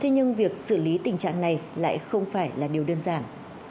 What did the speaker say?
nhưng việc xử lý tình trạng này lại không phải là điều đơn giản